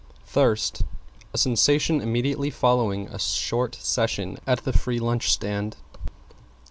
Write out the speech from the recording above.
=THIRST= A sensation immediately following a short session at the free lunch stand.